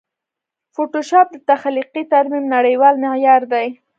فوټوشاپ د تخلیقي ترمیم نړېوال معیار دی.